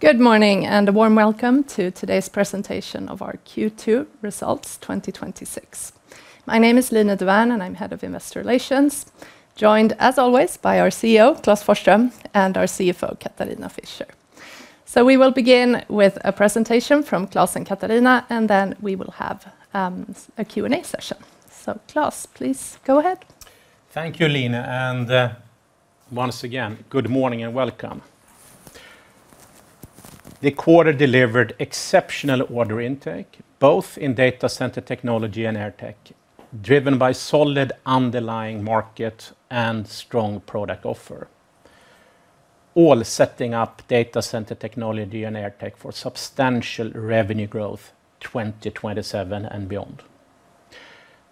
Good morning, and a warm welcome to today's presentation of our Q2 Results 2026. My name is Line Dovärn, and I'm Head of Investor Relations, joined as always by our CEO, Klas Forsström, and our CFO, Katharina Fischer. We will begin with a presentation from Klas and Katharina, and then we will have a Q&A session. Klas, please go ahead. Thank you, Line, and once again, good morning and welcome. The quarter delivered exceptional order intake, both in Data Center Technology and AirTech, driven by solid underlying market and strong product offer, all setting up Data Center Technology and AirTech for substantial revenue growth 2027 and beyond.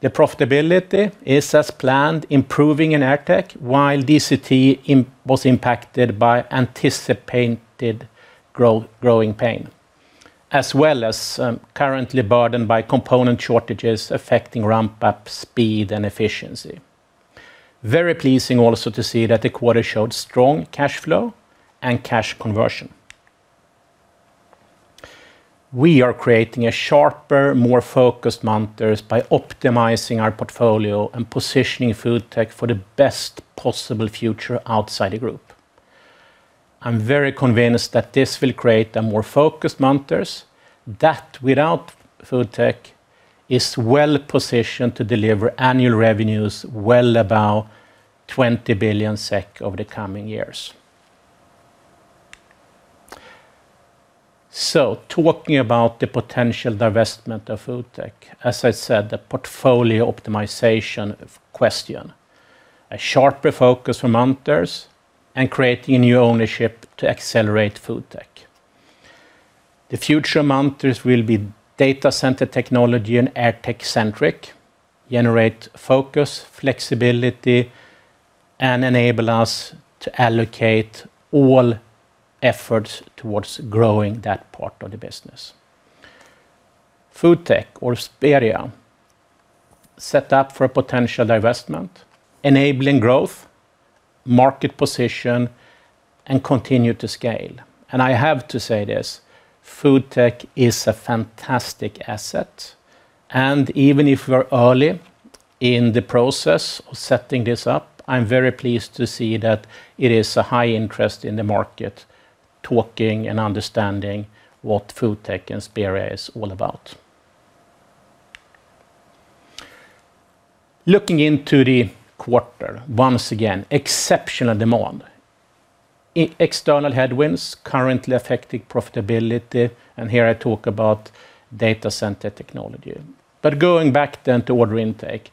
The profitability is as planned, improving in AirTech, while DCT was impacted by anticipated growing pain, as well as currently burdened by component shortages affecting ramp-up speed and efficiency. Very pleasing also to see that the quarter showed strong cash flow and cash conversion. We are creating a sharper, more focused Munters by optimizing our portfolio and positioning FoodTech for the best possible future outside the group. I'm very convinced that this will create a more focused Munters that, without FoodTech, is well-positioned to deliver annual revenues well above 20 billion SEK over the coming years. Talking about the potential divestment of FoodTech, as I said, the portfolio optimization question. A sharper focus for Munters and creating a new ownership to accelerate FoodTech. The future Munters will be Data Center Technology and AirTech-centric, generate focus, flexibility, and enable us to allocate all efforts towards growing that part of the business. FoodTech, or Speria, set up for a potential divestment, enabling growth, market position, and continue to scale. I have to say this, FoodTech is a fantastic asset. Even if we're early in the process of setting this up, I'm very pleased to see that it is a high interest in the market, talking and understanding what FoodTech and Speria is all about. Looking into the quarter, once again, exceptional demand. External headwinds currently affecting profitability, and here I talk about Data Center Technology. Going back then to order intake,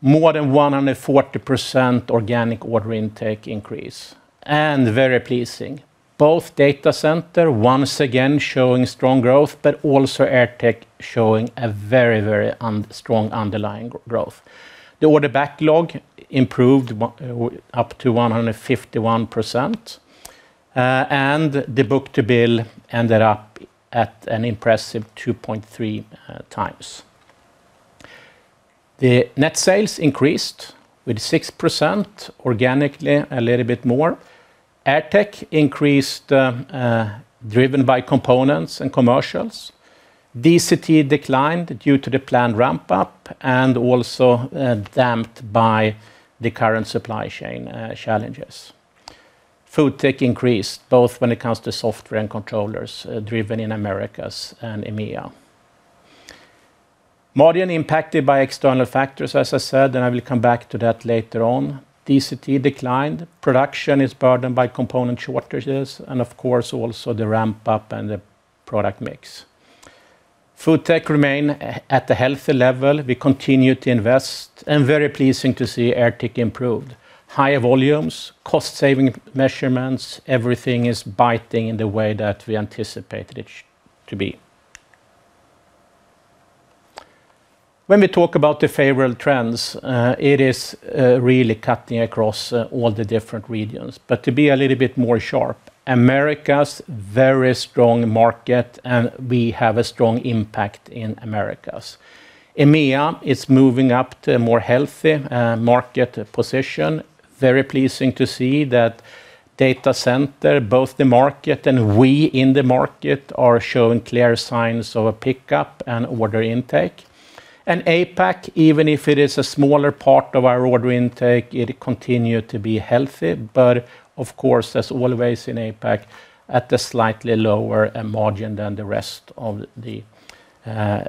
more than 140% organic order intake increase. Very pleasing, both Data Center once again showing strong growth, but also AirTech showing a very strong underlying growth. The order backlog improved up to 151%, and the book-to-bill ended up at an impressive 2.3x. The net sales increased with 6%, organically a little bit more. AirTech increased, driven by components and commercials. DCT declined due to the planned ramp-up and also damped by the current supply chain challenges. FoodTech increased both when it comes to software and controllers, driven in Americas and EMEA. Margin impacted by external factors, as I said, I will come back to that later on. DCT declined. Production is burdened by component shortages and of course, also the ramp-up and the product mix. FoodTech remain at the healthy level. We continue to invest. Very pleasing to see AirTech improved. Higher volumes, cost-saving measurements, everything is biting in the way that we anticipated it to be. When we talk about the favorable trends, it is really cutting across all the different regions. To be a little bit more sharp, Americas, very strong market. We have a strong impact in Americas. EMEA is moving up to a more healthy market position. Very pleasing to see that Data Center, both the market and we in the market, are showing clear signs of a pickup and order intake. APAC, even if it is a smaller part of our order intake, it continued to be healthy. Of course, as always in APAC, at a slightly lower margin than the rest of the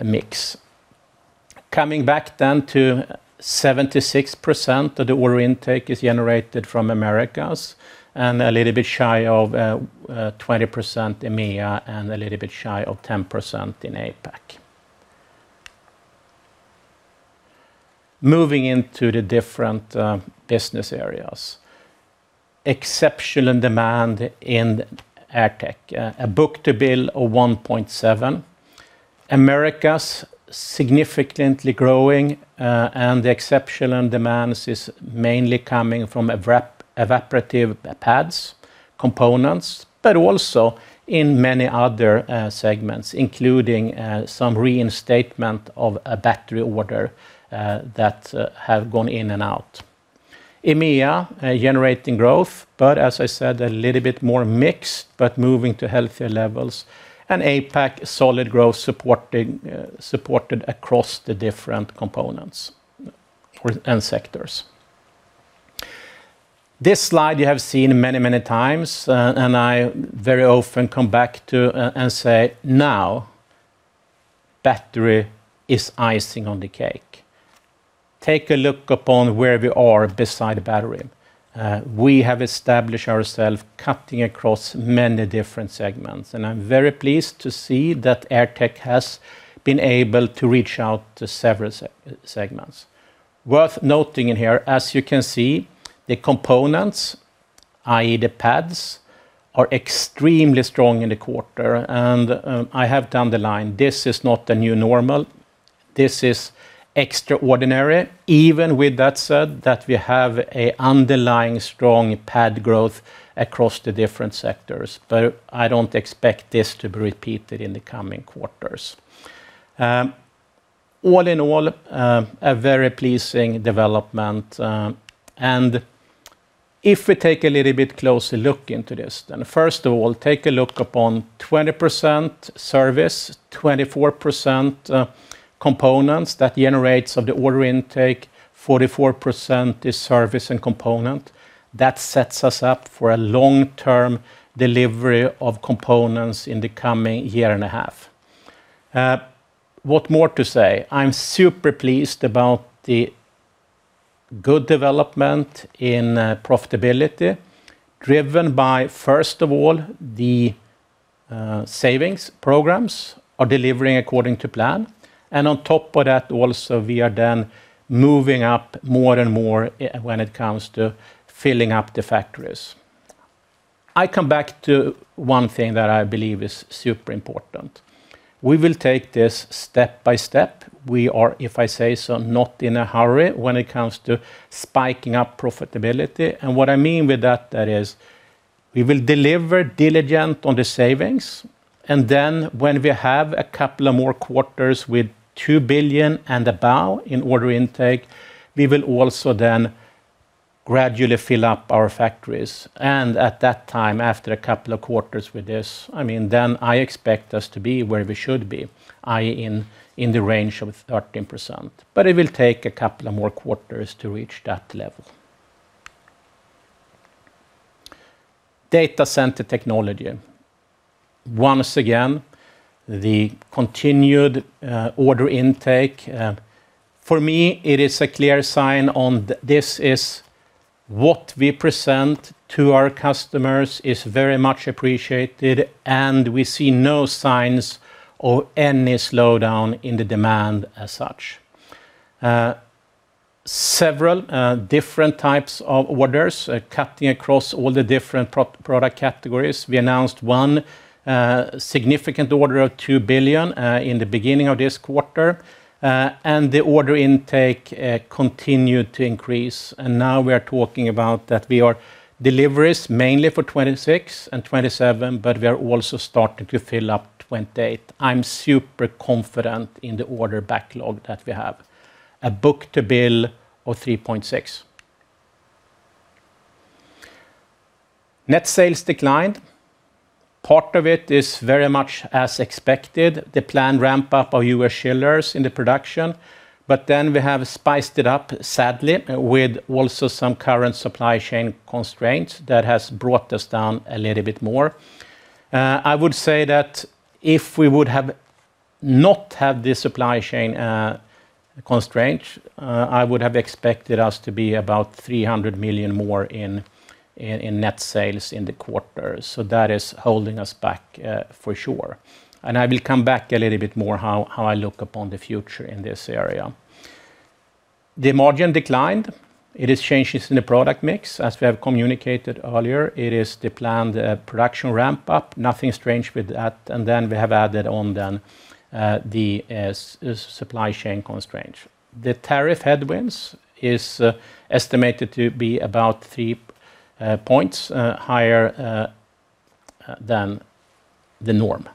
mix. Coming back to 76% of the order intake is generated from Americas. A little bit shy of 20% EMEA. A little bit shy of 10% in APAC. Moving into the different business areas. Exceptional demand in AirTech. A book-to-bill of 1.7. Americas, significantly growing. The exceptional demands is mainly coming from evaporative pads components, but also in many other segments, including some reinstatement of a battery order that have gone in and out. EMEA generating growth, as I said, a little bit more mixed, but moving to healthier levels. APAC, solid growth supported across the different components and sectors. This slide you have seen many times. I very often come back to and say, "Now, battery is icing on the cake." Take a look upon where we are beside the battery. We have established ourself cutting across many different segments. I'm very pleased to see that AirTech has been able to reach out to several segments. Worth noting in here, as you can see, the components, i.e. the pads, are extremely strong in the quarter. I have underlined, this is not the new normal. This is extraordinary. Even with that said, that we have a underlying strong pad growth across the different sectors. I don't expect this to be repeated in the coming quarters. All in all, a very pleasing development. If we take a little bit closer look into this, first of all, take a look upon 20% service, 24% components. That generates of the order intake, 44% is service and component. That sets us up for a long-term delivery of components in the coming year and a half. What more to say? I'm super pleased about the good development in profitability, driven by, first of all, the savings programs are delivering according to plan. On top of that, also we are then moving up more and more when it comes to filling up the factories. I come back to one thing that I believe is super important. We will take this step by step. We are, if I say so, not in a hurry when it comes to spiking up profitability. What I mean with that is we will deliver diligent on the savings. When we have a couple of more quarters with 2 billion and above in order intake, we will also then gradually fill up our factories. At that time, after a couple of quarters with this, I expect us to be where we should be, i.e. in the range of 13%. It will take a couple of more quarters to reach that level. Data Center Technology. Once again, the continued order intake. For me, it is a clear sign on this is what we present to our customers is very much appreciated, and we see no signs of any slowdown in the demand as such. Several different types of orders cutting across all the different product categories. We announced one significant order of 2 billion in the beginning of this quarter. The order intake continued to increase. Now we are talking about that we are deliveries mainly for 2026 and 2027, but we are also starting to fill up 2028. I'm super confident in the order backlog that we have. A book-to-bill of 3.6. Net sales declined. Part of it is very much as expected, the planned ramp-up of U.S. chillers in the production. We have spiced it up, sadly, with also some current supply chain constraints that has brought us down a little bit more. I would say that if we would have not had the supply chain constraints, I would have expected us to be about 300 million more in net sales in the quarter. That is holding us back for sure. I will come back a little bit more how I look upon the future in this area. The margin declined. It is changes in the product mix, as we have communicated earlier. It is the planned production ramp-up. Nothing strange with that. We have added on then the supply chain constraints. The tariff headwinds is estimated to be about three points higher than the norm.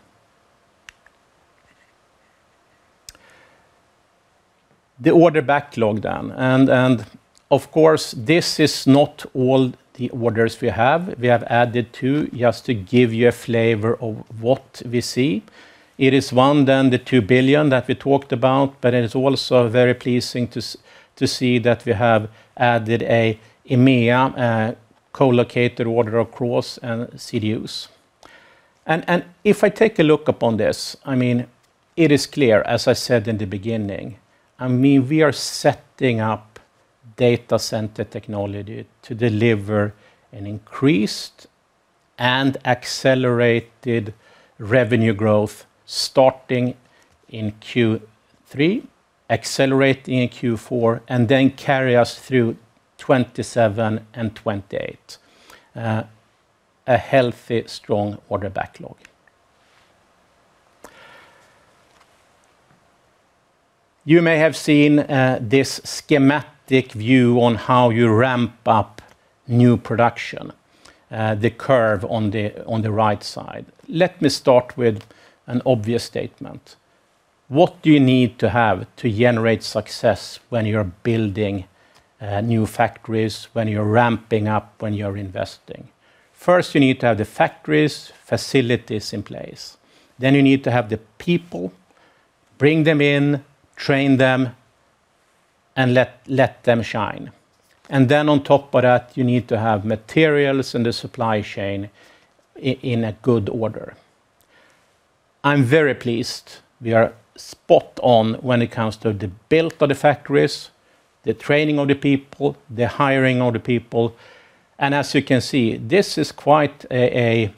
The order backlog then. Of course, this is not all the orders we have. We have added two just to give you a flavor of what we see. It is one then the 2 billion that we talked about, but it is also very pleasing to see that we have added a EMEA co-located order across CDUs. If I take a look upon this, it is clear, as I said in the beginning, we are setting up Data Center Technology to deliver an increased and accelerated revenue growth starting in Q3, accelerating in Q4, and then carry us through 2027 and 2028. A healthy, strong order backlog. You may have seen this schematic view on how you ramp up new production, the curve on the right side. Let me start with an obvious statement. What do you need to have to generate success when you're building new factories, when you're ramping up, when you're investing? First, you need to have the factories, facilities in place. You need to have the people, bring them in, train them, and let them shine. On top of that, you need to have materials in the supply chain in a good order. I'm very pleased we are spot on when it comes to the build of the factories, the training of the people, the hiring of the people. As you can see, this is quite a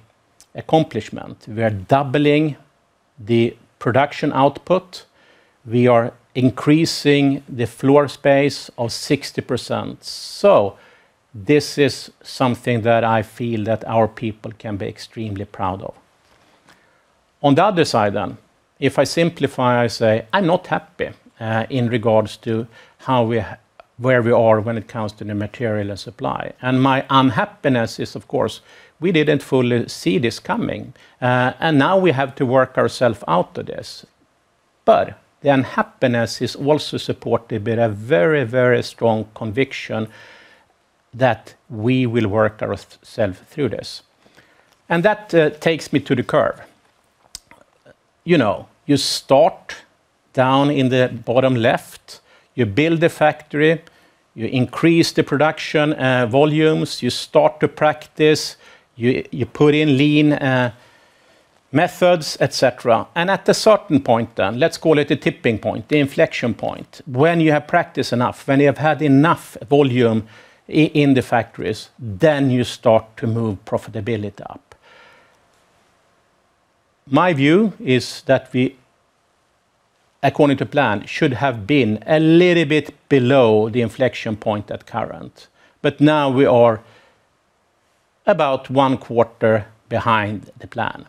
accomplishment. We are doubling the production output, we are increasing the floor space of 60%. This is something that I feel that our people can be extremely proud of. On the other side then, if I simplify, I say I'm not happy in regards to where we are when it comes to the material and supply. My unhappiness is, of course, we didn't fully see this coming. Now we have to work ourself out of this. The unhappiness is also supported by a very strong conviction that we will work ourself through this. That takes me to the curve. You start down in the bottom left, you build a factory, you increase the production volumes, you start to practice, you put in lean methods, et cetera. At a certain point then, let's call it a tipping point, the inflection point, when you have practiced enough, when you have had enough volume in the factories, then you start to move profitability up. My view is that we, according to plan, should have been a little bit below the inflection point at current. Now we are about one quarter behind the plan.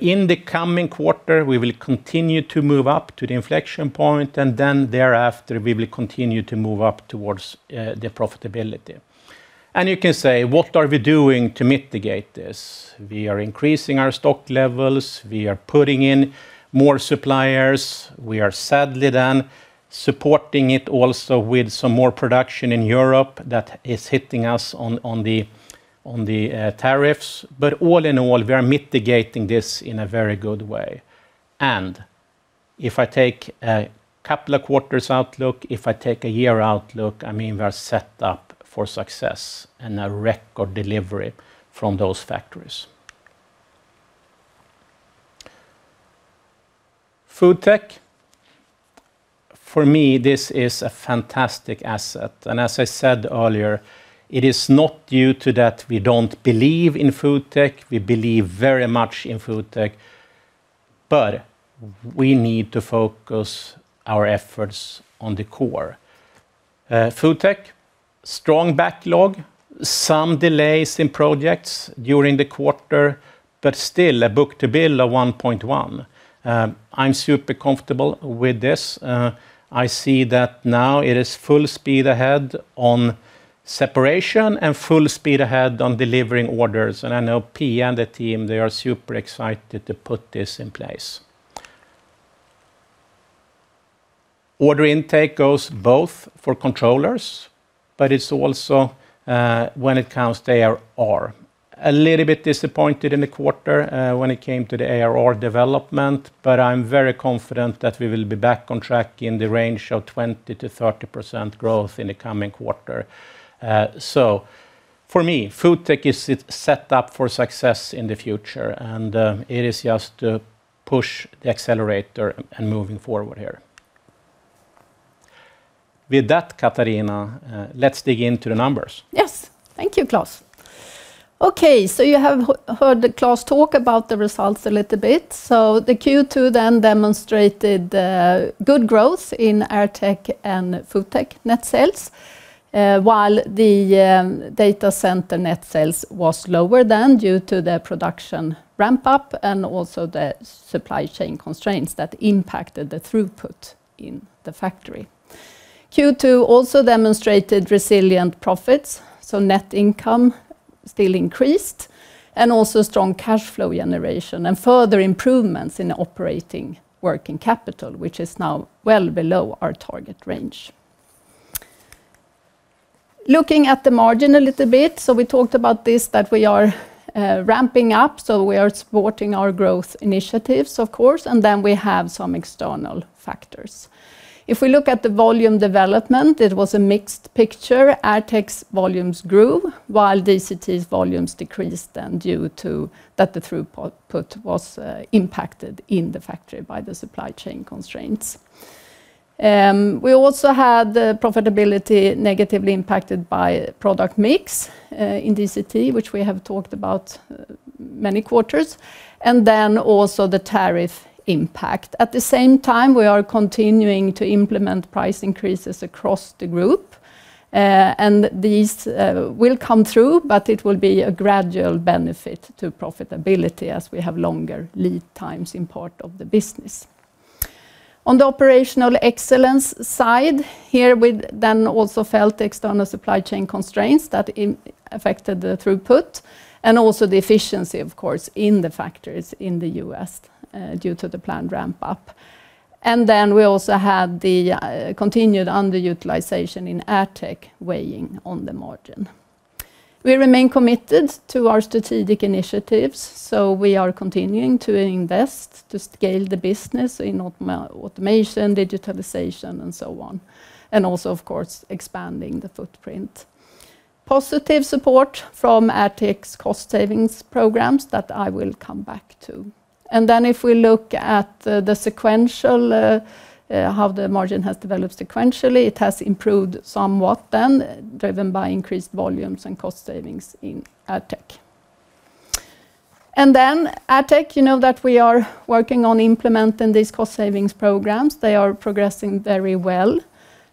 In the coming quarter, we will continue to move up to the inflection point, thereafter, we will continue to move up towards the profitability. You can say, what are we doing to mitigate this? We are increasing our stock levels. We are putting in more suppliers. We are sadly then supporting it also with some more production in Europe that is hitting us on the tariffs. All in all, we are mitigating this in a very good way. If I take a couple of quarters outlook, if I take a year outlook, we are set up for success and a record delivery from those factories. FoodTech. For me, this is a fantastic asset, and as I said earlier, it is not due to that we don't believe in FoodTech. We believe very much in FoodTech. We need to focus our efforts on the core. FoodTech, strong backlog, some delays in projects during the quarter, but still a book-to-bill of 1.1. I'm super comfortable with this. I see that now it is full speed ahead on separation and full speed ahead on delivering orders, and I know Pia and the team, they are super excited to put this in place. Order intake goes both for controllers, but it's also when it comes to ARR. A little bit disappointed in the quarter when it came to the ARR development, but I'm very confident that we will be back on track in the range of 20%-30% growth in the coming quarter. For me, FoodTech is set up for success in the future, and it is just push the accelerator and moving forward here. With that, Katharina, let's dig into the numbers. Yes. Thank you, Klas. You have heard Klas talk about the results a little bit. The Q2 then demonstrated good growth in AirTech and FoodTech net sales. While the Data Center net sales was lower than due to the production ramp-up and also the supply chain constraints that impacted the throughput in the factory. Q2 also demonstrated resilient profits, net income still increased, and also strong cash flow generation and further improvements in operating working capital, which is now well below our target range. Looking at the margin a little bit. We talked about this, that we are ramping up, we are supporting our growth initiatives, of course, we have some external factors. If we look at the volume development, it was a mixed picture. AirTech's volumes grew while DCT's volumes decreased then due to that the throughput was impacted in the factory by the supply chain constraints. We also had the profitability negatively impacted by product mix in DCT, which we have talked about many quarters, and then also the tariff impact. At the same time, we are continuing to implement price increases across the group. These will come through, but it will be a gradual benefit to profitability as we have longer lead times in part of the business. On the operational excellence side, here we then also felt the external supply chain constraints that affected the throughput and also the efficiency, of course, in the factories in the U.S. due to the planned ramp-up. We also had the continued underutilization in AirTech weighing on the margin. We remain committed to our strategic initiatives, we are continuing to invest to scale the business in automation, digitalization, and so on, and also, of course, expanding the footprint. Positive support from AirTech's cost savings programs that I will come back to. If we look at how the margin has developed sequentially, it has improved somewhat then, driven by increased volumes and cost savings in AirTech. AirTech, you know that we are working on implementing these cost savings programs. They are progressing very well.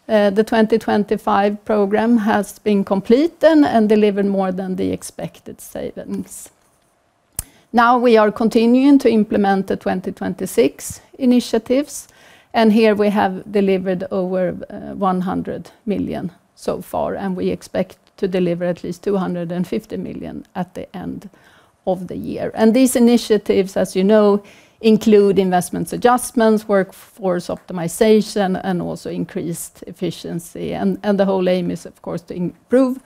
The 2025 program has been completed and delivered more than the expected savings. Now we are continuing to implement the 2026 initiatives, and here we have delivered over 100 million so far, and we expect to deliver at least 250 million at the end of the year. These initiatives, as you know, include investments adjustments, workforce optimization, and also increased efficiency. The whole aim is, of course, to improve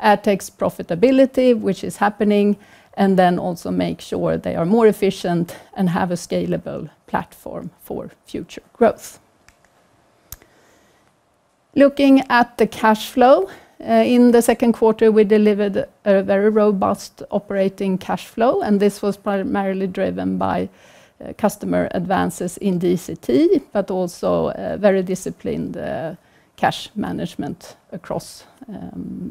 AirTech's profitability, which is happening, and then also make sure they are more efficient and have a scalable platform for future growth. Looking at the cash flow. In the second quarter, we delivered a very robust operating cash flow, and this was primarily driven by customer advances in DCT, but also very disciplined cash management across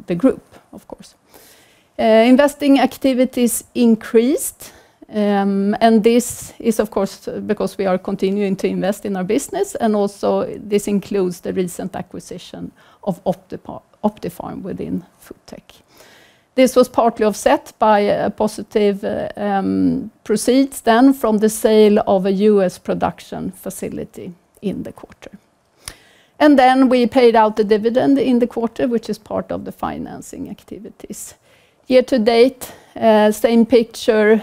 the group, of course. Investing activities increased, and this is, of course, because we are continuing to invest in our business, and also this includes the recent acquisition of Optifarm within FoodTech. This was partly offset by a positive proceeds then from the sale of a U.S. production facility in the quarter. We paid out the dividend in the quarter, which is part of the financing activities. Year to date, same picture,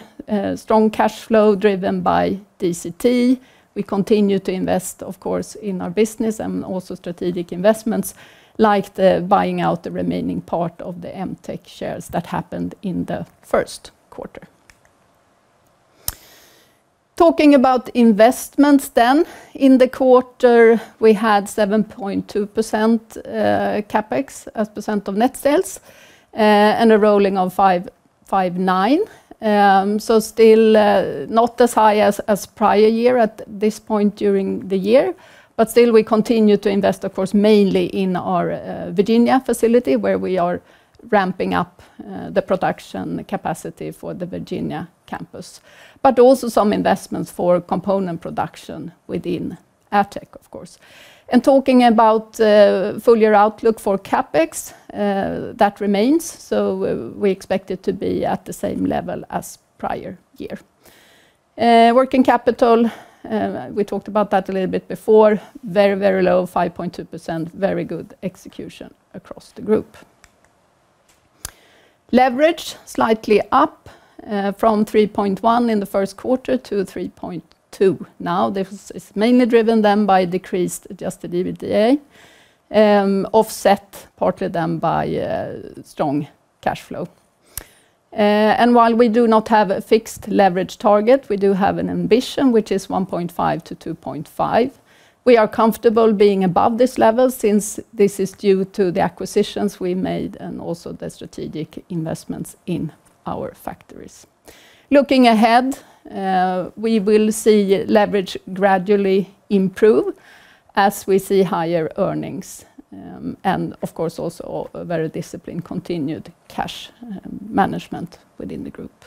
strong cash flow driven by DCT. We continue to invest, of course, in our business and also strategic investments like the buying out the remaining part of the MTech shares that happened in the first quarter. Talking about investments then. In the quarter, we had 7.2% CapEx as a percent of net sales and a rolling of 5.9%. Still not as high as prior year at this point during the year, but still we continue to invest, of course, mainly in our Virginia facility, where we are ramping up the production capacity for the Virginia campus, but also some investments for component production within AirTech, of course. Talking about full-year outlook for CapEx, that remains, we expect it to be at the same level as prior year. Working capital, we talked about that a little bit before. Very low, 5.2%, very good execution across the group. Leverage, slightly up from 3.1 in the first quarter to 3.2 now. This is mainly driven then by decreased adjusted EBITDA, offset partly then by strong cash flow. While we do not have a fixed leverage target, we do have an ambition, which is 1.5-2.5. We are comfortable being above this level since this is due to the acquisitions we made and also the strategic investments in our factories. Looking ahead, we will see leverage gradually improve as we see higher earnings and, of course, also a very disciplined continued cash management within the group.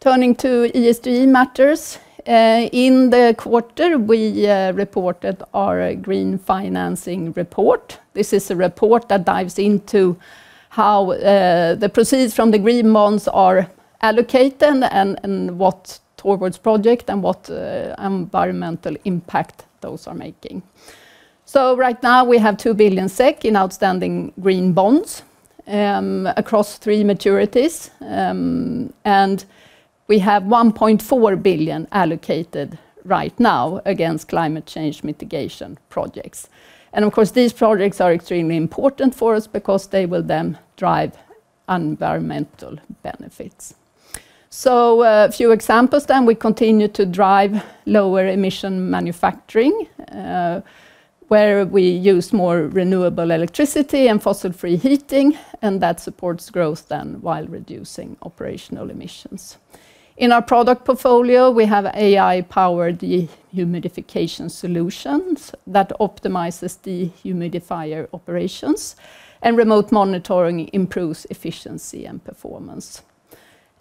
Turning to ESG matters. In the quarter, we reported our green financing report. This is a report that dives into how the proceeds from the green bonds are allocated and what towards project and what environmental impact those are making. Right now, we have 2 billion SEK in outstanding green bonds across three maturities, and we have 1.4 billion allocated right now against climate change mitigation projects. Of course, these projects are extremely important for us because they will then drive environmental benefits. A few examples then. We continue to drive lower emission manufacturing, where we use more renewable electricity and fossil-free heating, and that supports growth then while reducing operational emissions. In our product portfolio, we have AI-powered dehumidification solutions that optimizes dehumidifier operations, and remote monitoring improves efficiency and performance.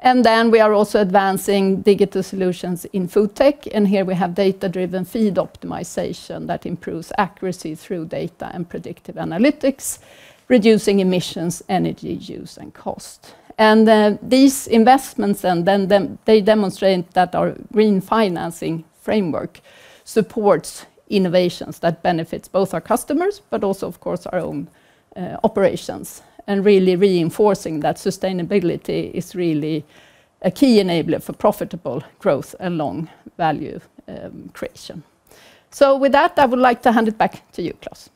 Then we are also advancing digital solutions in FoodTech, and here we have data-driven feed optimization that improves accuracy through data and predictive analytics, reducing emissions, energy use, and cost. These investments demonstrate that our green financing framework supports innovations that benefit both our customers and also our own operations, and really reinforcing that sustainability is really a key enabler for profitable growth and long value creation. With that, I would like to hand it back to you, Klas.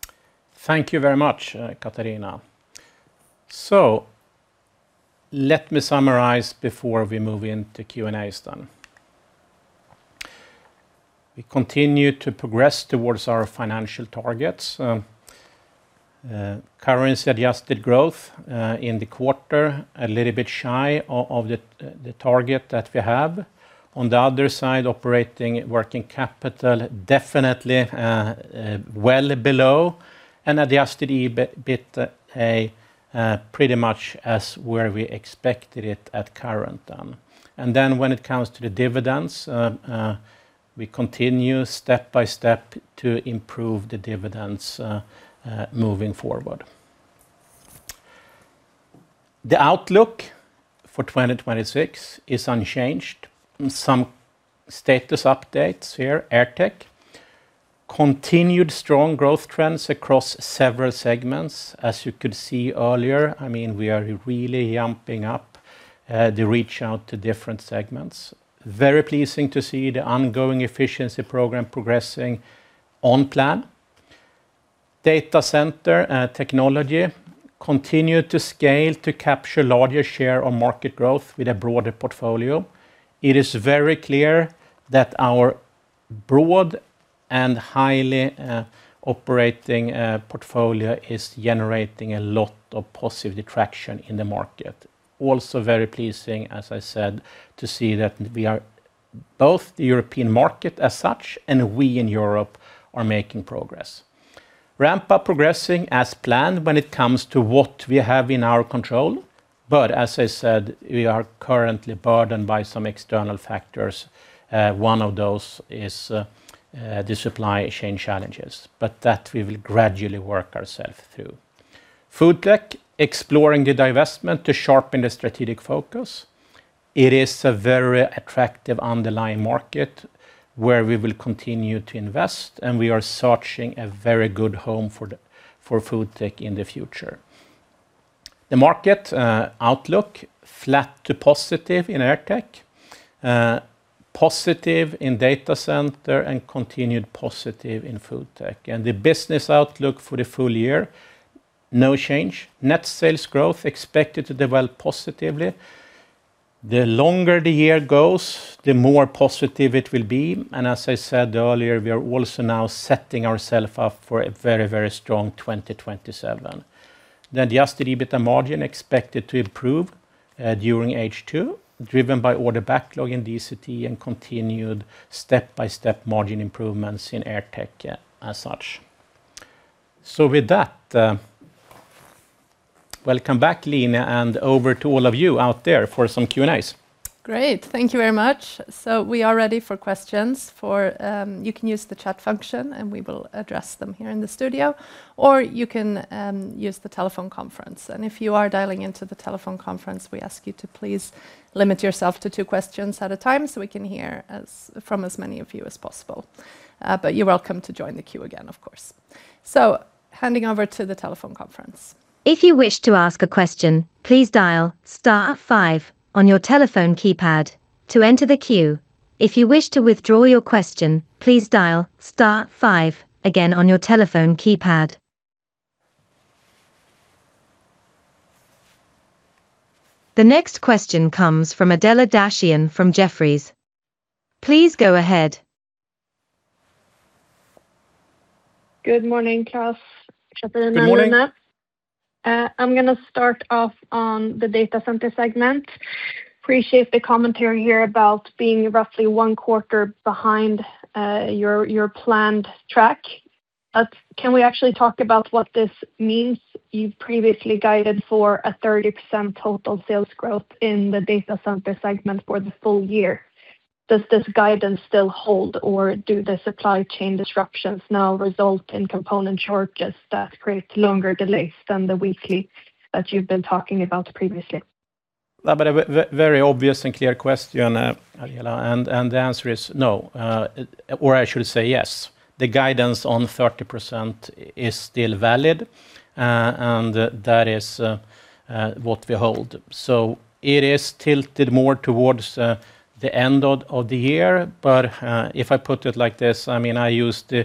Thank you very much, Katharina. Let me summarize before we move into Q&As then. We continue to progress towards our financial targets. Currency-adjusted growth in the quarter, a little bit shy of the target that we have. On the other side, operating working capital, definitely well below, and adjusted EBITA, pretty much as where we expected it at current. Then when it comes to the dividends, we continue step by step to improve the dividends moving forward. The outlook for 2026 is unchanged. Some status updates here. AirTech, continued strong growth trends across several segments. As you could see earlier, we are really jumping up the reach-out to different segments. Very pleasing to see the ongoing efficiency program progressing on plan. Data Center Technology continued to scale to capture larger share of market growth with a broader portfolio. It is very clear that our broad and highly operating portfolio is generating a lot of positive traction in the market. Also very pleasing, as I said, to see that both the European market as such and we in Europe are making progress. RampUp progressing as planned when it comes to what we have in our control, but as I said, we are currently burdened by some external factors. One of those is the supply chain challenges, but that we will gradually work ourselves through. FoodTech, exploring the divestment to sharpen the strategic focus. It is a very attractive underlying market where we will continue to invest, and we are searching a very good home for FoodTech in the future. The market outlook, flat to positive in AirTech. Positive in Data Center and continued positive in FoodTech. The business outlook for the full year, no change. Net sales growth expected to develop positively. The longer the year goes, the more positive it will be, as I said earlier, we are also now setting ourselves up for a very strong 2027. The adjusted EBITA margin expected to improve during H2, driven by order backlog in DCT and continued step-by-step margin improvements in AirTech as such. With that, welcome back, Line, and over to all of you out there for some Q&As. Great. Thank you very much. We are ready for questions. You can use the chat function, and we will address them here in the studio, or you can use the telephone conference. If you are dialing into the telephone conference, we ask you to please limit yourself to two questions at a time so we can hear from as many of you as possible. You're welcome to join the queue again, of course. Handing over to the telephone conference. If you wish to ask a question, please dial star five on your telephone keypad to enter the queue. If you wish to withdraw your question, please dial star five again on your telephone keypad. The next question comes from Adela Dashian from Jefferies. Please go ahead. Good morning, Klas, Katharina, and Line. Good morning. I'm going to start off on the Data Center segment. Appreciate the commentary here about being roughly one quarter behind your planned track. Can we actually talk about what this means? You've previously guided for a 30% total sales growth in the Data Center segment for the full year. Does this guidance still hold, or do the supply chain disruptions now result in component shortages that create longer delays than the weekly that you've been talking about previously? Very obvious and clear question, Adela. The answer is no. I should say yes. The guidance on 30% is still valid, and that is what we hold. It is tilted more towards the end of the year. If I put it like this, I use the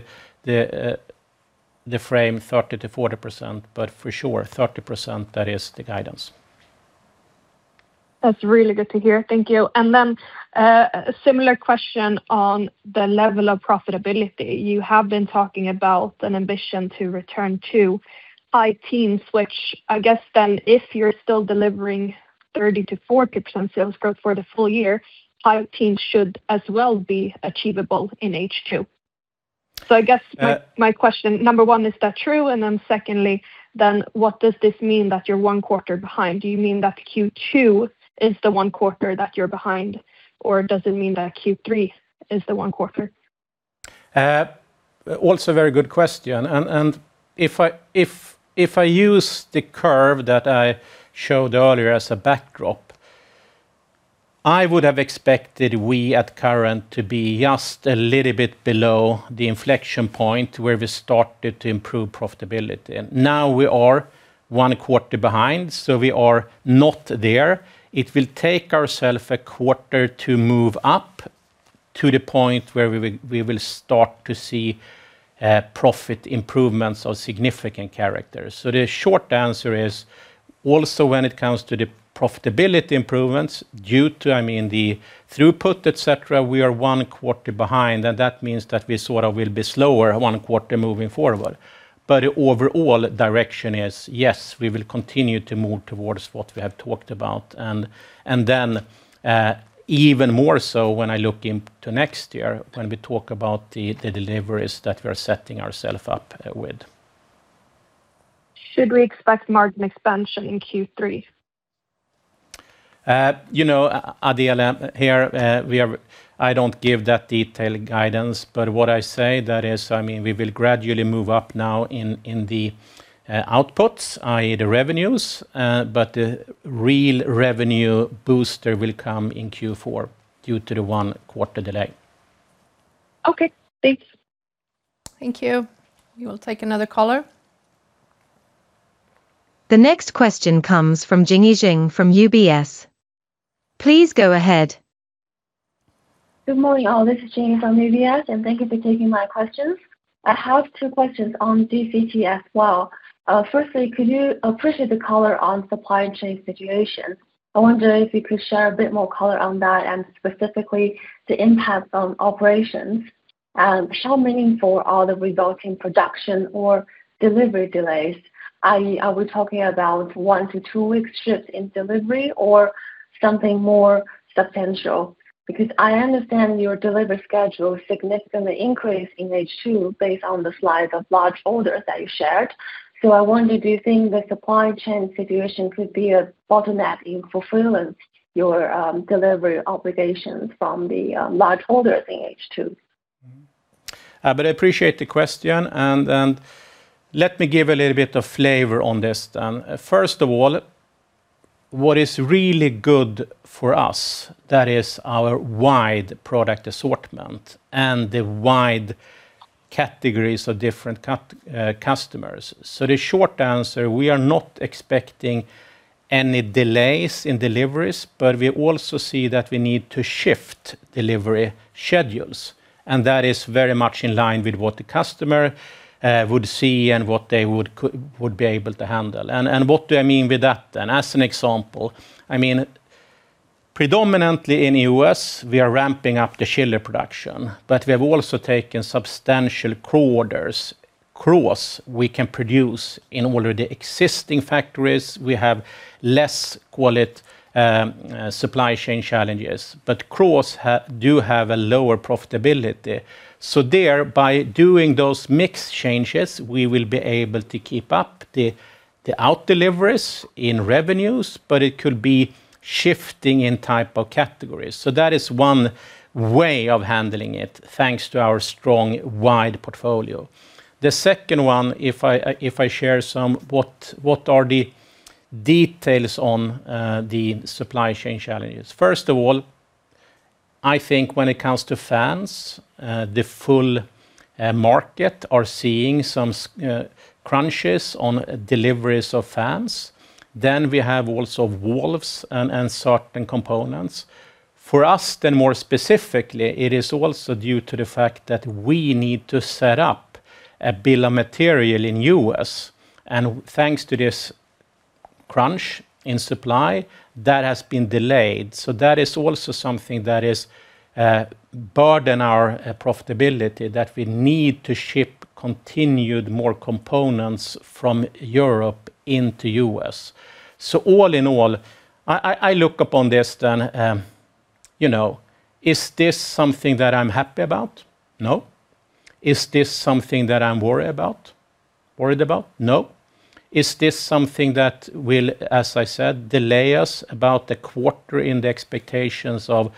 frame 30%-40%, for sure, 30%, that is the guidance. That's really good to hear. Thank you. A similar question on the level of profitability. You have been talking about an ambition to return to high teens, which I guess then if you're still delivering 30%-40% sales growth for the full year, high teens should as well be achievable in H2. I guess my question, number one, is that true? Secondly, what does this mean that you're one quarter behind? Do you mean that Q2 is the one quarter that you're behind, or does it mean that Q3 is the one quarter? Also very good question. If I use the curve that I showed earlier as a backdrop, I would have expected we, at current, to be just a little bit below the inflection point where we started to improve profitability. Now we are one quarter behind, we are not there. It will take ourself a quarter to move up to the point where we will start to see profit improvements of significant character. The short answer is also when it comes to the profitability improvements due to the throughput, et cetera, we are one quarter behind, and that means that we sort of will be slower one quarter moving forward. The overall direction is, yes, we will continue to move towards what we have talked about, even more so when I look into next year, when we talk about the deliveries that we're setting ourself up with. Should we expect margin expansion in Q3? Adela, here, I don't give that detailed guidance, what I say, that is, we will gradually move up now in the outputs, i.e. the revenues. The real revenue booster will come in Q4 due to the one quarter delay. Okay, thanks. Thank you. We will take another caller. The next question comes from Jingyi Zheng from UBS. Please go ahead. Good morning, all. This is Jingyi from UBS. Thank you for taking my questions. I have two questions on DCT as well. Firstly, could you appreciate the color on supply chain situation? I wonder if you could share a bit more color on that, specifically the impact on operations. How meaningful are the resulting production or delivery delays? Are we talking about one-two weeks shift in delivery or something more substantial? I understand your delivery schedule significantly increased in H2 based on the slide of large orders that you shared. I wonder, do you think the supply chain situation could be a bottleneck in fulfilling your delivery obligations from the large orders in H2? I appreciate the question. Let me give a little bit of flavor on this then. First of all, what is really good for us, that is our wide product assortment and the wide categories of different customers. The short answer, we are not expecting any delays in deliveries. We also see that we need to shift delivery schedules. That is very much in line with what the customer would see and what they would be able to handle. What do I mean with that then? As an example, predominantly in U.S., we are ramping up the chiller production. We have also taken substantial core orders. Cross, we can produce in already existing factories. We have less, call it, supply chain challenges. Cross do have a lower profitability. There, by doing those mix changes, we will be able to keep up the out deliveries in revenues. It could be shifting in type of categories. That is one way of handling it, thanks to our strong, wide portfolio. The second one, if I share some, what are the details on the supply chain challenges? First of all, I think when it comes to fans, the full market are seeing some crunches on deliveries of fans. We have also valves and certain components. For us, more specifically, it is also due to the fact that we need to set up a bill of material in U.S. Thanks to this crunch in supply, that has been delayed. That is also something that is burden our profitability, that we need to ship continued more components from Europe into U.S. All in all, I look upon this then, is this something that I'm happy about? No. Is this something that I'm worried about? No. Is this something that will, as I said, delay us about a quarter in the expectations of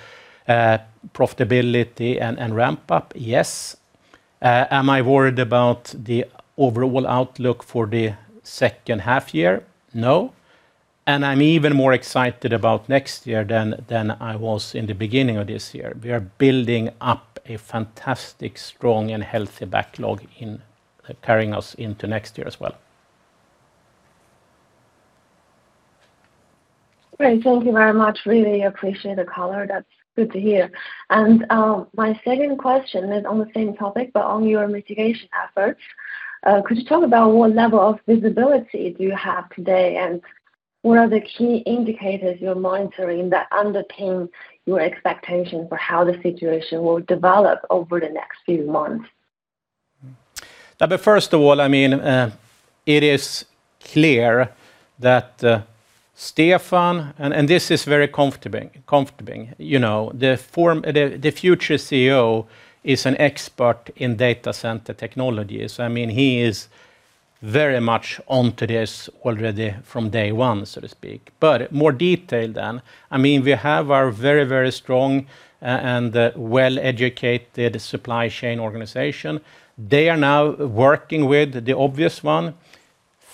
profitability and ramp up? Yes. Am I worried about the overall outlook for the second half year? No. I'm even more excited about next year than I was in the beginning of this year. We are building up a fantastic, strong, and healthy backlog in carrying us into next year as well. Great. Thank you very much. Really appreciate the color. That's good to hear. My second question is on the same topic, but on your mitigation efforts. Could you talk about what level of visibility do you have today, and what are the key indicators you're monitoring that underpin your expectation for how the situation will develop over the next few months? First of all, it is clear that Stefan, and this is very comforting, the future CEO is an expert in Data Center Technologies. He is very much onto this already from day one, so to speak. More detail, we have our very strong and well-educated supply chain organization. They are now working with the obvious one,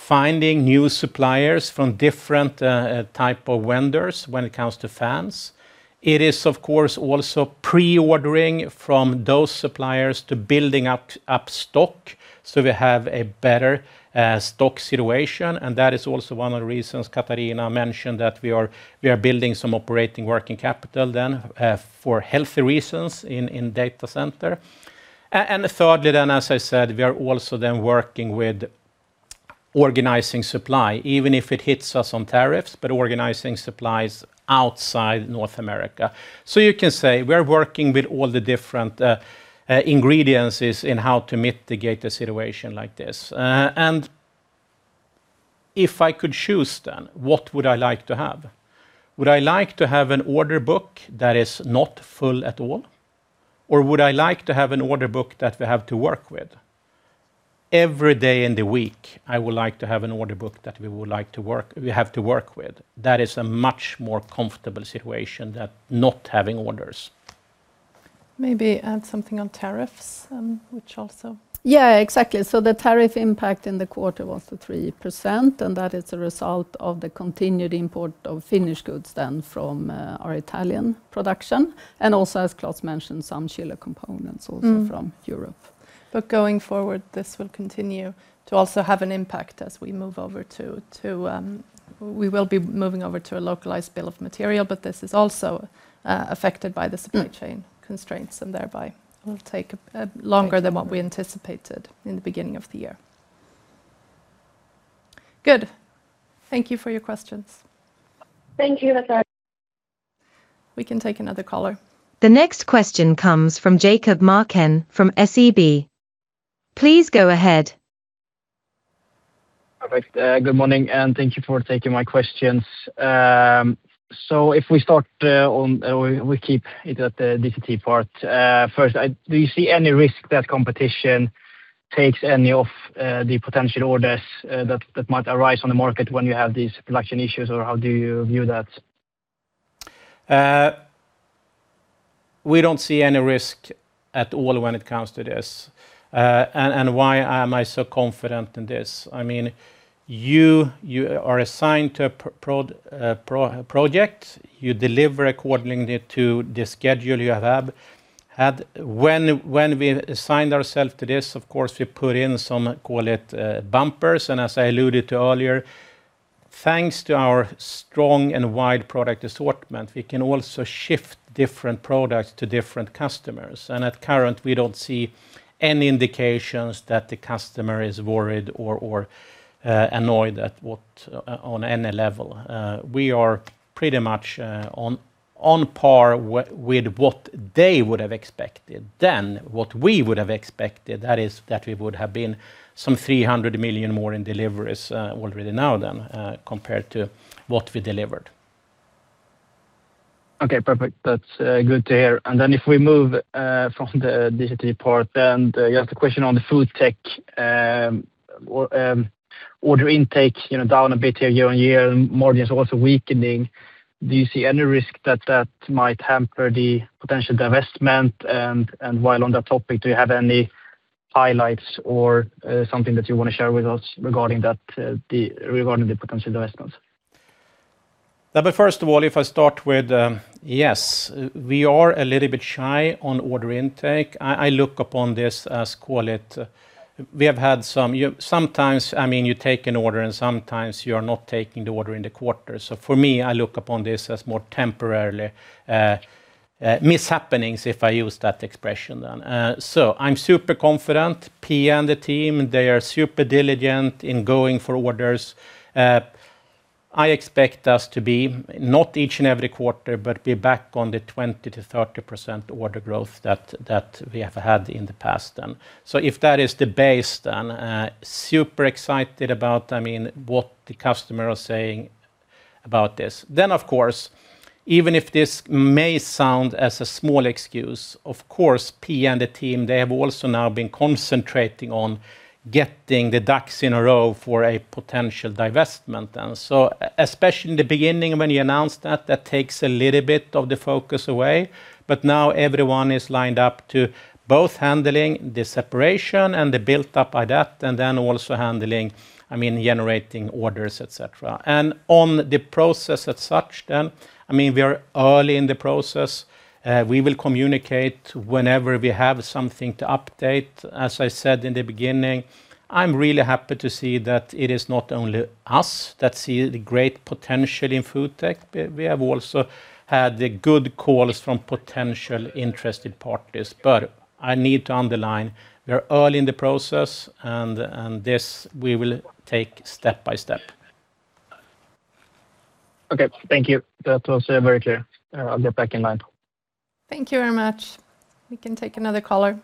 finding new suppliers from different type of vendors when it comes to fans. It is, of course, also pre-ordering from those suppliers to building up stock so we have a better stock situation, and that is also one of the reasons Katharina mentioned that we are building some operating working capital for healthy reasons in data center. Thirdly, as I said, we are also working with organizing supply, even if it hits us on tariffs, but organizing supplies outside North America. You can say we're working with all the different ingredients in how to mitigate a situation like this. If I could choose, what would I like to have? Would I like to have an order book that is not full at all? Would I like to have an order book that we have to work with? Every day in the week, I would like to have an order book that we have to work with. That is a much more comfortable situation than not having orders. Maybe add something on tariffs, which also. Exactly. The tariff impact in the quarter was 3%, that is a result of the continued import of finished goods from our Italian production. Also, as Klas mentioned, some chiller components also from Europe. Going forward, this will continue to also have an impact as we move over to a localized Bill of material. This is also affected by the supply chain constraints, thereby will take longer than what we anticipated in the beginning of the year. Good. Thank you for your questions. Thank you. That's all. We can take another caller. The next question comes from Jakob Marken from SEB. Please go ahead. Perfect. Good morning, and thank you for taking my questions. If we start on, we keep it at the DCT part. First, do you see any risk that competition takes any of the potential orders that might arise on the market when you have these production issues, or how do you view that? We don't see any risk at all when it comes to this. Why am I so confident in this? You are assigned to a project. You deliver accordingly to the schedule you have had. When we assigned ourselves to this, of course, we put in some, call it, bumpers. As I alluded to earlier, thanks to our strong and wide product assortment, we can also shift different products to different customers. At current, we don't see any indications that the customer is worried or annoyed at what on any level. We are pretty much on par with what they would have expected than what we would have expected, that is that we would have been some 300 million more in deliveries already now than compared to what we delivered. Okay, perfect. That's good to hear. If we move from the DCT part, you have the question on the FoodTech. Order intake down a bit here year-on-year, margins also weakening. Do you see any risk that that might hamper the potential divestment? While on that topic, do you have any highlights or something that you want to share with us regarding the potential divestments? First of all, if I start with, yes, we are a little bit shy on order intake. I look upon this as, call it, we have had. Sometimes, you take an order and sometimes you're not taking the order in the quarter. For me, I look upon this as more temporarily mishappenings, if I use that expression. I'm super confident. Pia and the team, they are super diligent in going for orders. I expect us to be, not each and every quarter, but be back on the 20%-30% order growth that we have had in the past. If that is the base, super excited about what the customers are saying about this. Of course, even if this may sound as a small excuse, of course, Pia and the team, they have also now been concentrating on getting the ducks in a row for a potential divestment. Especially in the beginning, when you announced that takes a little bit of the focus away. Now everyone is lined up to both handling the separation and the build-up by that, and also handling generating orders, et cetera. On the process as such, we are early in the process. We will communicate whenever we have something to update. As I said in the beginning, I'm really happy to see that it is not only us that see the great potential in FoodTech. We have also had the good calls from potential interested parties. I need to underline, we're early in the process, and this we will take step by step. Okay. Thank you. That was very clear. I'll get back in line. Thank you very much. We can take another caller.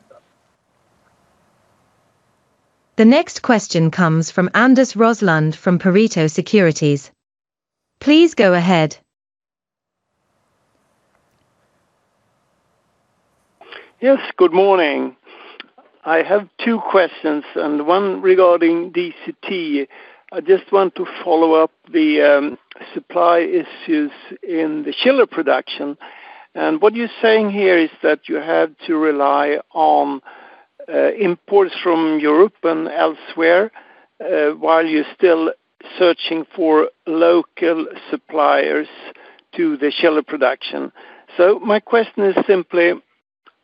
The next question comes from Anders Roslund from Pareto Securities. Please go ahead. Yes, good morning. I have two questions and one regarding DCT. I just want to follow up the supply issues in the chiller production. What you're saying here is that you have to rely on imports from Europe and elsewhere, while you're still searching for local suppliers to the chiller production. My question is simply,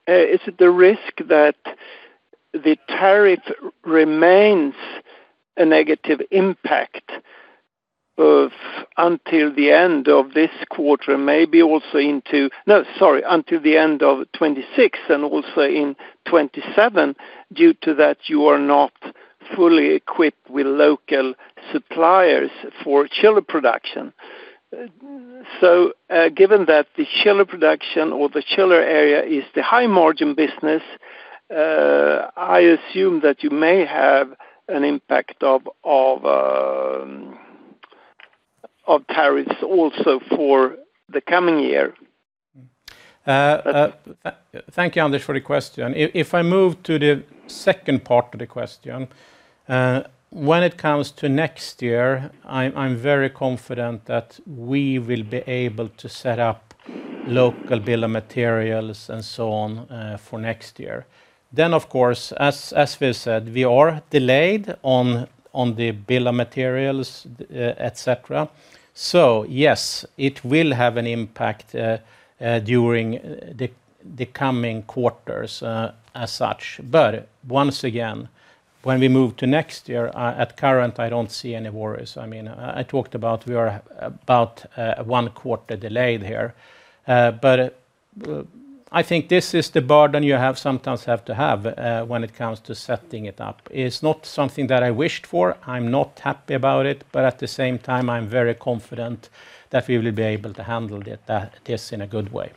is it the risk that the tariff remains a negative impact until the end of this quarter, maybe also into until the end of 2026 and also in 2027, due to that you are not fully equipped with local suppliers for chiller production. Given that the chiller production or the chiller area is the high-margin business, I assume that you may have an impact of tariffs also for the coming year. Thank you, Anders, for the question. If I move to the second part of the question, when it comes to next year, I'm very confident that we will be able to set up local bill of materials and so on, for next year. Of course, as we've said, we are delayed on the bill of materials, et cetera. Yes, it will have an impact during the coming quarters, as such. Once again, when we move to next year, at current, I don't see any worries. I talked about we are about one quarter delayed here. I think this is the burden you sometimes have to have, when it comes to setting it up. It's not something that I wished for. I'm not happy about it, at the same time, I'm very confident that we will be able to handle this in a good way.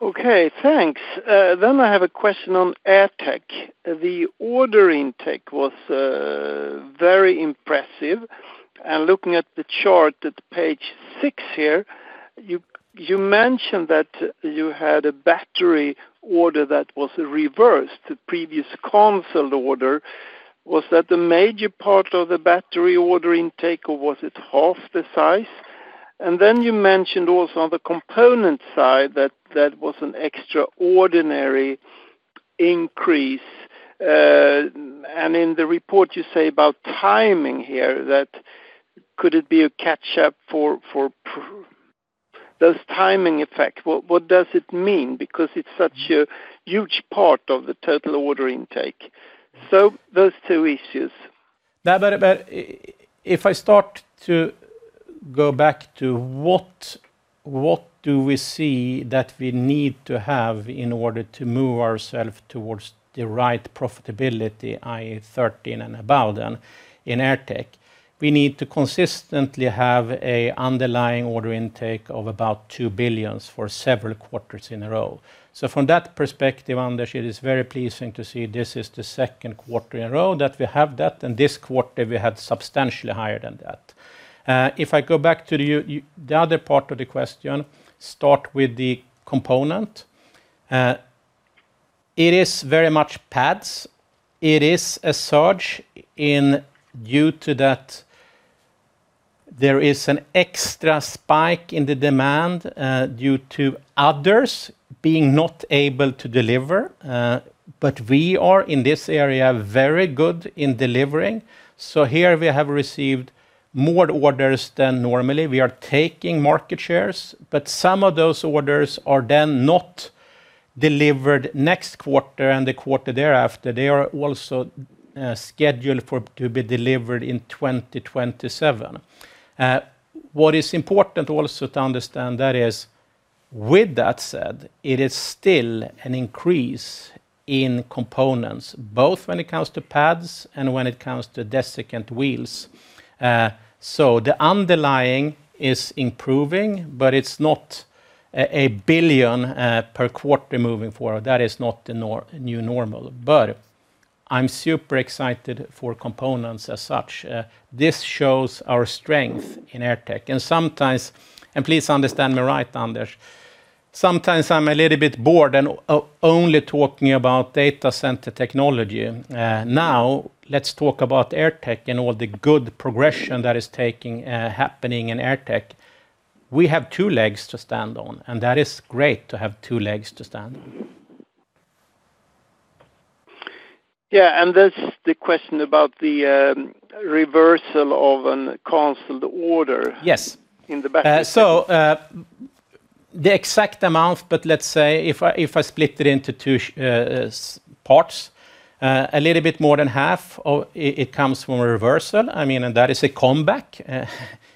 Okay, thanks. I have a question on AirTech. The order intake was very impressive. Looking at the chart at page six here, you mentioned that you had a battery order that was reversed, the previous canceled order. Was that the major part of the battery order intake, or was it half the size? You mentioned also on the component side that that was an extraordinary increase. In the report, you say about timing here that could it be a catch-up for those timing effects. What does it mean? Because it's such a huge part of the total order intake. Those two issues. If I start to go back to what do we see that we need to have in order to move ourselves towards the right profitability, i.e., 13% and above in AirTech? We need to consistently have an underlying order intake of about 2 billion for several quarters in a row. From that perspective, Anders, it is very pleasing to see this is the second quarter in a row that we have that, and this quarter, we had substantially higher than that. If I go back to the other part of the question, start with the component. It is very much pads. It is a surge due to that there is an extra spike in the demand due to others being not able to deliver. We are, in this area, very good in delivering. Here we have received more orders than normally. We are taking market shares. Some of those orders are then not delivered next quarter and the quarter thereafter. They are also scheduled to be delivered in 2027. What is important also to understand is with that said, it is still an increase in components, both when it comes to pads and when it comes to desiccant wheels. The underlying is improving, but it's not a billion per quarter moving forward. That is not the new normal. I'm super excited for components as such. This shows our strength in AirTech and please understand me right, Anders, sometimes I'm a little bit bored and only talking about Data Center Technology. Let's talk about AirTech and all the good progression that is happening in AirTech. We have two legs to stand on. That is great to have two legs to stand on. There's the question about the reversal of a canceled order. Yes. In the back. The exact amount, but let's say if I split it into two parts, a little bit more than half, it comes from a reversal. That is a comeback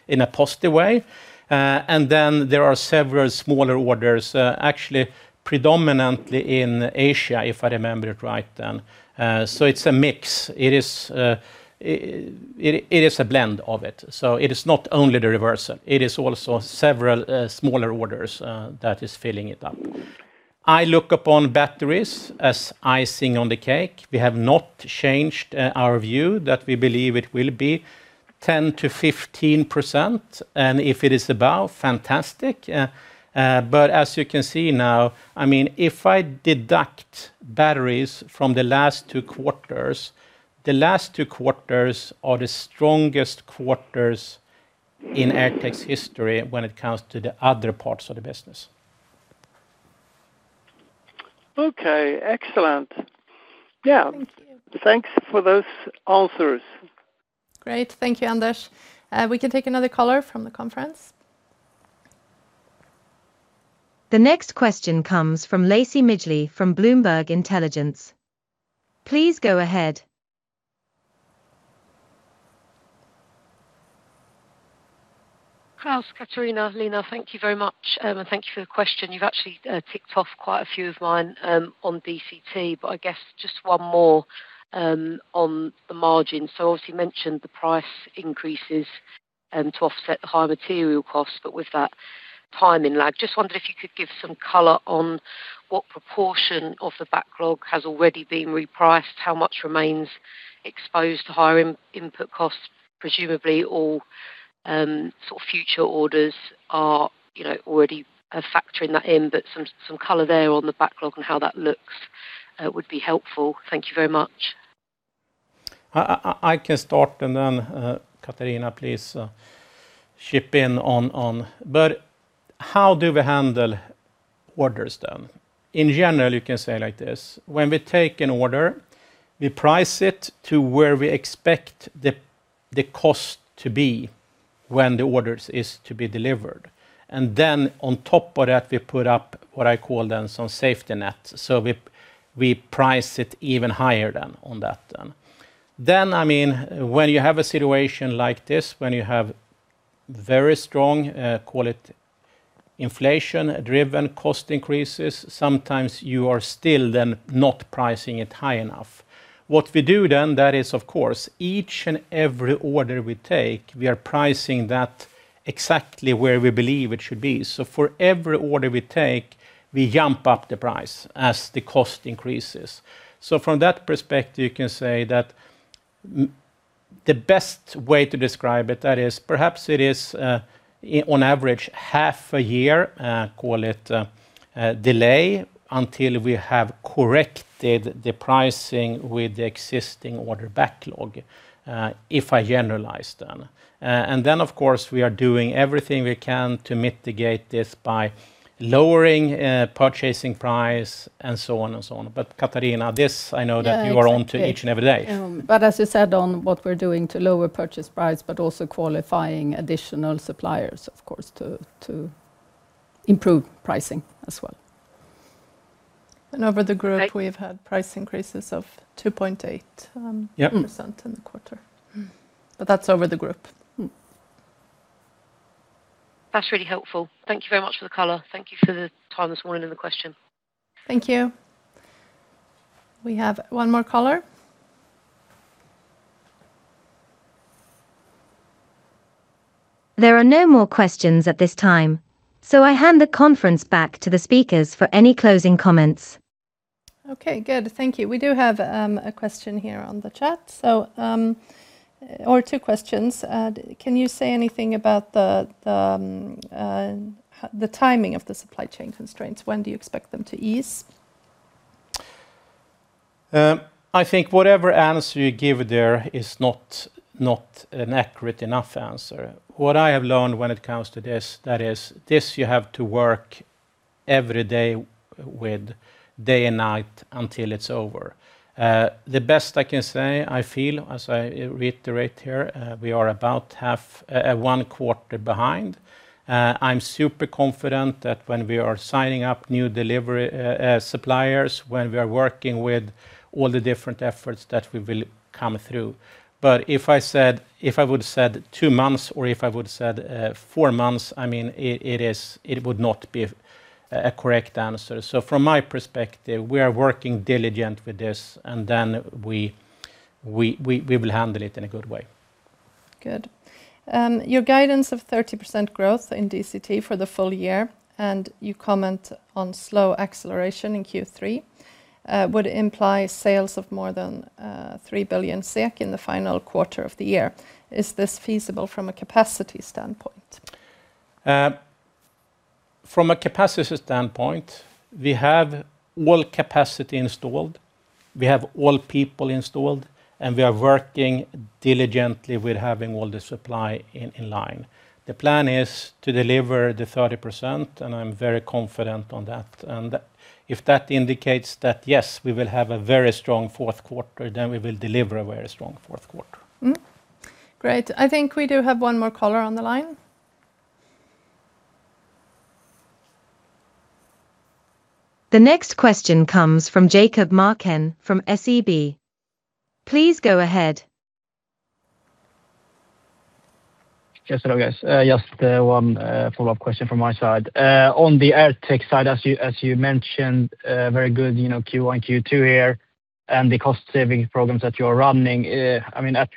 in a positive way. There are several smaller orders, actually predominantly in Asia, if I remember it right then. It's a mix. It is a blend of it. It is not only the reversal, it is also several smaller orders that is filling it up. I look upon batteries as icing on the cake. We have not changed our view that we believe it will be 10%-15%, and if it is above, fantastic. As you can see now, if I deduct batteries from the last two quarters, the last two quarters are the strongest quarters in AirTech's history when it comes to the other parts of the business. Okay. Excellent. Thank you. Yeah. Thanks for those answers. Great. Thank you, Anders. We can take another caller from the conference. The next question comes from Lacie Midgley from Bloomberg Intelligence. Please go ahead. Klas, Katharina, Line, thank you very much. Thank you for the question. You've actually ticked off quite a few of mine on DCT. I guess just one more on the margin. Obviously you mentioned the price increases to offset the higher material costs, with that timing lag, just wondered if you could give some color on what proportion of the backlog has already been repriced, how much remains exposed to higher input costs? Presumably, all future orders are already factoring that in, some color there on the backlog and how that looks would be helpful. Thank you very much. I can start and then, Katharina, please chip in on. How do we handle orders, then? In general, you can say like this, when we take an order, we price it to where we expect the cost to be when the order is to be delivered. Then on top of that, we put up what I call then some safety net. We price it even higher then on that. When you have a situation like this, when you have very strong, call it inflation-driven cost increases, sometimes you are still then not pricing it high enough. What we do then, that is of course, each and every order we take, we are pricing that exactly where we believe it should be. For every order we take, we jump up the price as the cost increases. From that perspective, you can say that the best way to describe it, that is perhaps it is on average half a year, call it, delay until we have corrected the pricing with the existing order backlog, if I generalize then. Then, of course, we are doing everything we can to mitigate this by lowering purchasing price and so on. Katharina, this I know that you are on to each and every day. As you said on what we're doing to lower purchase price, but also qualifying additional suppliers, of course, to improve pricing as well. Over the group, we've had price increases of 2.8% in the quarter. Yeah. That's over the group. That's really helpful. Thank you very much for the color. Thank you for the time this morning and the question. Thank you. We have one more caller. There are no more questions at this time. I hand the conference back to the speakers for any closing comments. Okay, good. Thank you. We do have a question here on the chat. Two questions. Can you say anything about the timing of the supply chain constraints? When do you expect them to ease? I think whatever answer you give there is not an accurate enough answer. What I have learned when it comes to this, that is this you have to work every day with, day and night until it's over. The best I can say, I feel, as I reiterate here, we are about one quarter behind. I'm super confident that when we are signing up new delivery suppliers, when we are working with all the different efforts, that we will come through. If I would've said two months, or if I would've said four months, it would not be a correct answer. From my perspective, we are working diligent with this, and then we will handle it in a good way. Good. Your guidance of 30% growth in DCT for the full year, and you comment on slow acceleration in Q3, would imply sales of more than 3 billion SEK in the final quarter of the year. Is this feasible from a capacity standpoint? From a capacity standpoint, we have all capacity installed, we have all people installed, and we are working diligently with having all the supply in line. The plan is to deliver the 30%, and I'm very confident on that. If that indicates that yes, we will have a very strong fourth quarter, then we will deliver a very strong fourth quarter. Great. I think we do have one more caller on the line. The next question comes from Jakob Marken from SEB. Please go ahead. Yes, hello, guys. Just one follow-up question from my side. On the AirTech side, as you mentioned, very good Q1, Q2 here, and the cost-saving programs that you're running, at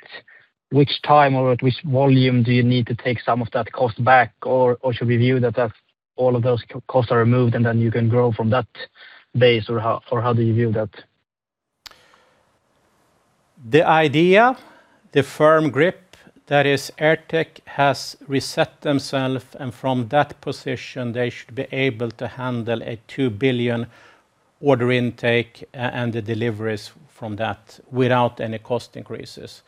which time or at which volume do you need to take some of that cost back? Should we view that all of those costs are removed and then you can grow from that base? How do you view that? The idea, the firm grip, that is AirTech has reset themself. From that position, they should be able to handle a 2 billion order intake and the deliveries from that without any cost increases.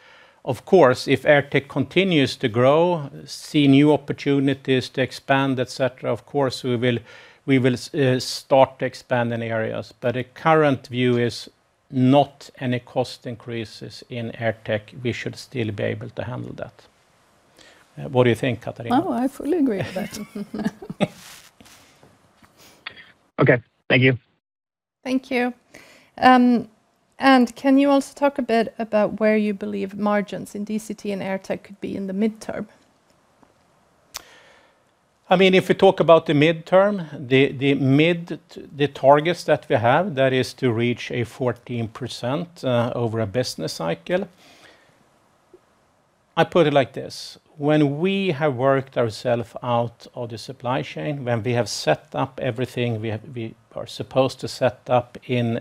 Of course, if AirTech continues to grow, see new opportunities to expand, et cetera, of course, we will start to expand in areas. The current view is not any cost increases in AirTech. We should still be able to handle that. What do you think, Katharina? No, I fully agree with that. Okay. Thank you. Thank you. Can you also talk a bit about where you believe margins in DCT and AirTech could be in the midterm? If we talk about the midterm, the targets that we have, that is to reach a 14% over a business cycle. I put it like this, when we have worked ourselves out of the supply chain, when we have set up everything we are supposed to set up in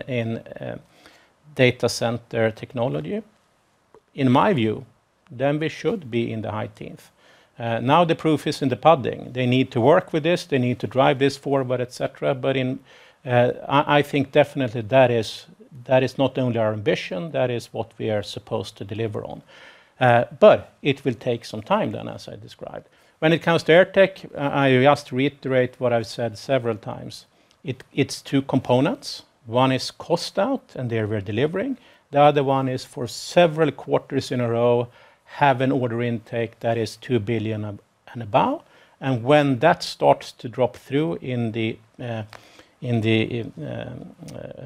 Data Center Technology. In my view, then we should be in the high teens. Now the proof is in the pudding. They need to work with this, they need to drive this forward, et cetera. I think definitely that is not only our ambition, that is what we are supposed to deliver on. It will take some time then, as I described. When it comes to AirTech, I just reiterate what I've said several times. It's two components. One is cost out, and there we're delivering. The other one is for several quarters in a row, have an order intake that is 2 billion and above. When that starts to drop through in the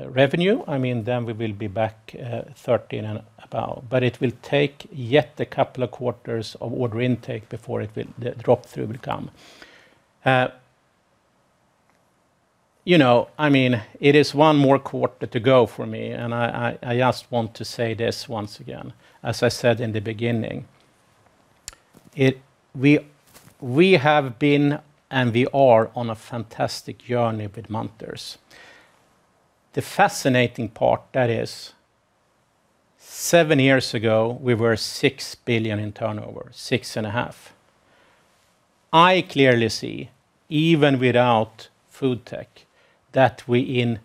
revenue, we will be back 13 billion and above. It will take yet a couple of quarters of order intake before the drop-through will come. It is one more quarter to go for me, and I just want to say this once again, as I said in the beginning. We have been, and we are on a fantastic journey with Munters. The fascinating part that is seven years ago, we were 6 billion in turnover, 6.5 billion. I clearly see, even without FoodTech, that we in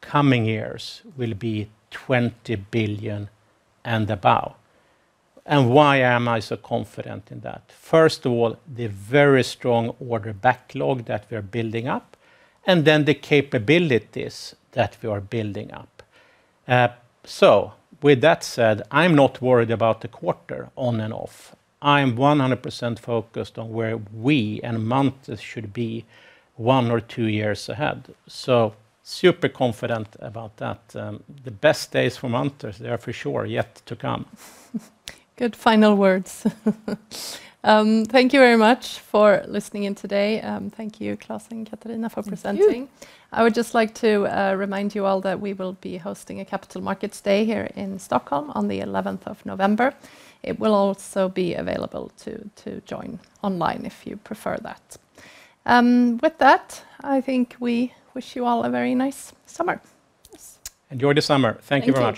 coming years will be 20 billion and above. Why am I so confident in that? First of all, the very strong order backlog that we're building up, then the capabilities that we are building up. With that said, I'm not worried about the quarter on and off. I'm 100% focused on where we and Munters should be one or two years ahead. Super confident about that. The best days for Munters, they are for sure yet to come. Good final words. Thank you very much for listening in today. Thank you, Klas and Katharina, for presenting. Thank you. I would just like to remind you all that we will be hosting a Capital Markets Day here in Stockholm on the 11th of November. It will also be available to join online if you prefer that. With that, I think we wish you all a very nice summer. Yes. Enjoy the summer. Thank you very much.